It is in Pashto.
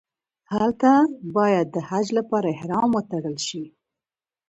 هلته باید د حج لپاره احرام وتړل شي.